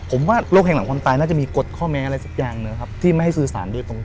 ผมว่าโลกแห่งหลังความตายน่าจะมีกฎข้อแม้อะไรสักอย่างหนึ่งครับที่ไม่ให้สื่อสารโดยตรง